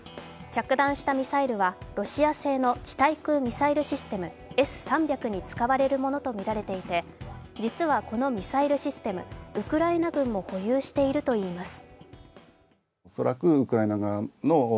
着弾したミサイルはロシア製の地対空ミサイルシステムＳ−３００に使われるものとみられていて実はこのミサイルシステム、ウクライナ軍も保有しているといいます。